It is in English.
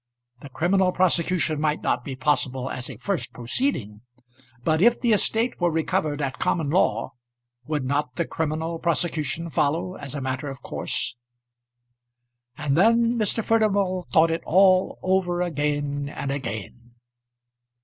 The criminal prosecution might not be possible as a first proceeding, but if the estate were recovered at common law, would not the criminal prosecution follow as a matter of course? And then Mr. Furnival thought it all over again and again.